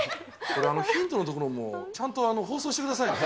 これ、ヒントのところも、ちゃんと放送してくださいね。